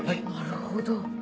なるほど。